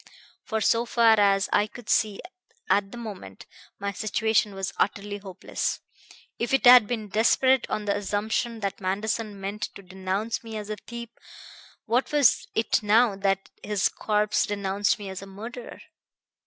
For, so far as I could see at the moment, my situation was utterly hopeless. If it had been desperate on the assumption that Manderson meant to denounce me as a thief, what was it now that his corpse denounced me as a murderer?